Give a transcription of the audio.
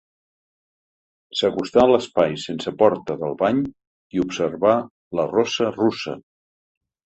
S'acostà a l'espai sense porta del bany i observà la rossa russa.